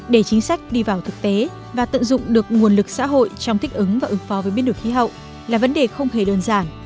để chính sách đi vào thực tế và tận dụng được nguồn lực xã hội trong thích ứng và ứng phó với biến đổi khí hậu là vấn đề không hề đơn giản